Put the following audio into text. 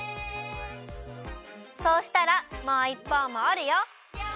そうしたらもういっぽうもおるよ！